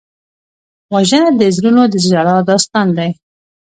وژنه د زړونو د ژړا داستان دی